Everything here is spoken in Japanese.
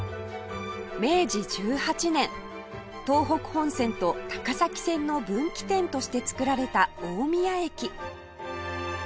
明治１８年東北本線と高崎線の分岐点として造られた大宮駅